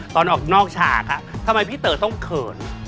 ตอนออกนอกฉากทำไมพี่เต๋อต้องเขิน